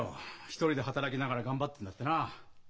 一人で働きながら頑張ってるんだってな。